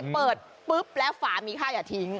เปิดปุ๊บแล้วฝามีค่าอย่าทิ้ง